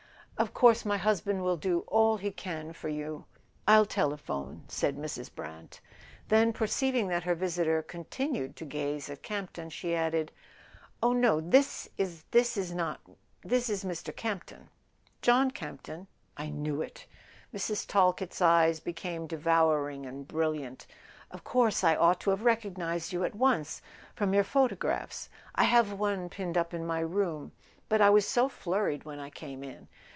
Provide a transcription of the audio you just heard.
"Of course my husband will do all he can for you. A SON AT THE FRONT I'll telephone," said Mrs. Brant; then, perceiving that her visitor continued to gaze at Camp ton, she added: "Oh, no, this is not. .. this is Mr. Camp ton." "John Campton? I knew it!" Mrs. Talkett's eyes became devouring and brilliant. "Of course I ought to have recognised you at once—from your photo¬ graphs. I have one pinned up in my room. But I was so flurried when I came in."